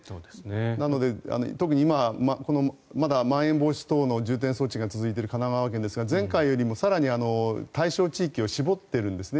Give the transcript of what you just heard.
なので、特に今まだまん延防止等重点措置が続いている神奈川県ですが前回よりも対象地域を絞っているんですね。